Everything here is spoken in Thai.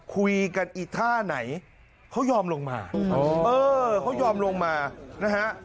คุยกันอีท่าไหนเขายอมลงมาเออเขายอมลงมานะฮะ